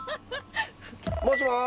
もしもし。